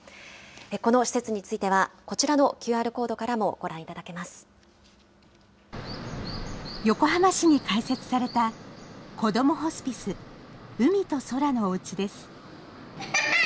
この施設については、こちらのＱ横浜市に開設されたこどもホスピスうみとそらのおうちです。